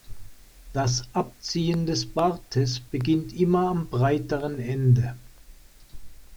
Das Abziehen des Bartes beginnt immer am breiteren Ende.